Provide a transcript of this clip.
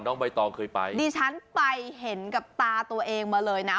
ใบตองเคยไปดิฉันไปเห็นกับตาตัวเองมาเลยนะ